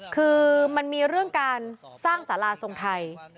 คือมันมีเรื่องการสร้างสาราทรงไทย